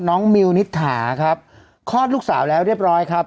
มิวนิษฐาครับคลอดลูกสาวแล้วเรียบร้อยครับ